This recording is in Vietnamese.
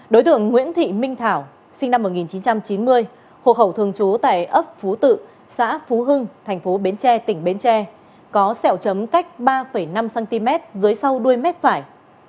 đối tượng nguyễn thị minh thảo sinh năm một nghìn chín trăm chín mươi hộ khẩu thường trú tại ấp phú tự xã phú hưng thành phố bến tre tỉnh bến tre có sẹo chấm cách ba năm cm dưới sau đuôi mép phải